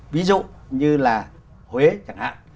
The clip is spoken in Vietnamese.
ví dụ như là huế chẳng hạn